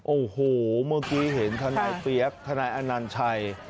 โอ้โหเมื่อกี้เห็นทานายเตี๋ยบทานายอนันตร์ชัย